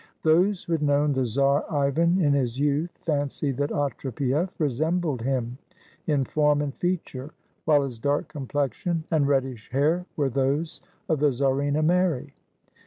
Those who had known the Czar Ivan in his youth fan cied that Otrepief resembled him in form and feature, while his dark complexion and reddish hair were those of the Czarina Mary.